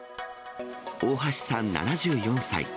大橋さん７４歳。